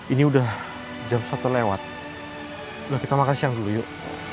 ini udah jam satu lewat udah kita makan siang dulu yuk